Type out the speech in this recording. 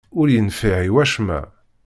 Ur yenfiɛ i wacemma.